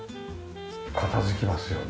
片付きますよね。